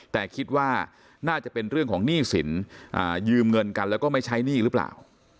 แต่คิดว่าน่าจะเป็นเรื่องของหนี้สินยืมเงินกันแล้วก็ไม่ใช้หนี้หรือเปล่า